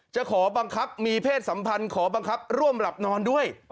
จะขอบังคับมีเพศสัมพันธ์ขอบังคับร่วมหลับนอนด้วย